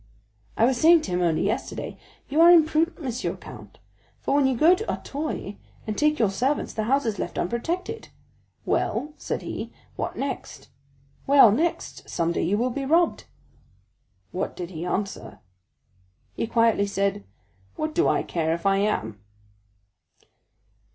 "I was saying to him only yesterday, 'You are imprudent, Monsieur Count; for when you go to Auteuil and take your servants the house is left unprotected.' 'Well,' said he, 'what next?' 'Well, next, some day you will be robbed.'" "What did he answer?" "He quietly said, 'What do I care if I am?